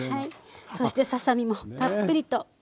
そしてささ身もたっぷりと。